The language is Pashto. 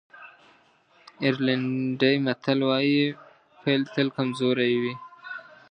آیرلېنډی متل وایي پيل تل کمزوری وي.